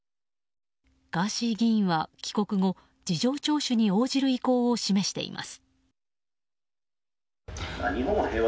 ガーシー議員は帰国後事情聴取に応じる意向を示しています。